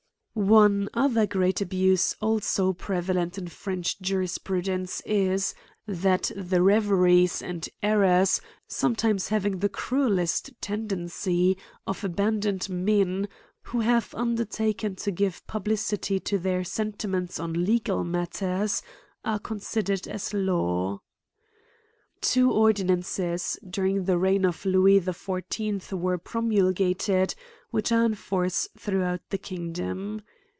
« One other great abuse also prevalent in French Jurisprudence is, that the reveries, and errors, sometimes having the cruellest tendency, of aban doned men, who have undertaken to give publi city to their sentiments on legal matters, are con sidered as law* Two ordinances, during the feign of Lewis the 1 4th, were» promulgated, which are in force throughout the kingdom.